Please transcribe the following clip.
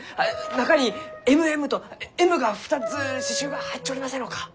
中に「ＭＭ」とＭが２つ刺しゅうが入っちょりませんろうか？